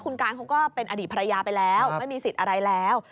คุณการเขาก็เป็นอดีตภรรยาไปแล้วไม่มีสิทธิ์อะไรแล้ว